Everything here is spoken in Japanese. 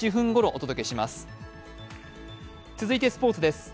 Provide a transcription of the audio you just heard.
続いてスポーツです。